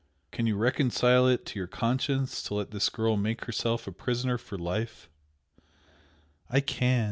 Can you reconcile it to your conscience to let this girl make herself a prisoner for life?" "I can!"